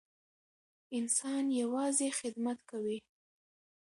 انسان یوازې خدمت کوي.